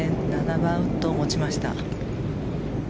７番ウッドを持ちました。